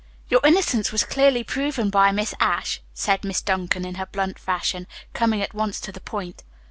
"Your innocence was clearly proven by Miss Ashe," said Miss Duncan in her blunt fashion, coming at once to the point.